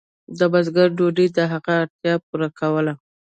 د بزګر ډوډۍ د هغه اړتیا پوره کوله.